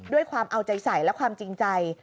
ด้วยความเอาใจใส่และความจริงใจ